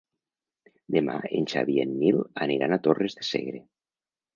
Demà en Xavi i en Nil aniran a Torres de Segre.